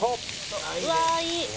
「うわあ！いい！」